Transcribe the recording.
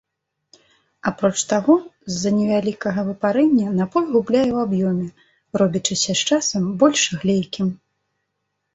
Апроч таго, з-за невялікага выпарэння напой губляе ў аб'ёме, робячыся з часам больш глейкім.